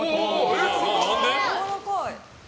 やわらかい。